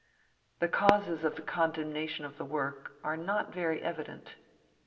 The causes of the condemnation of the work are not very evident.